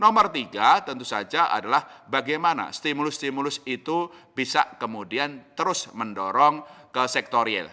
nomor tiga tentu saja adalah bagaimana stimulus stimulus itu bisa kemudian terus mendorong ke sektor real